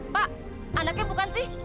pak anaknya bukan sih